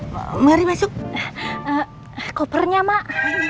hai hai hai mari masuk kopernya mak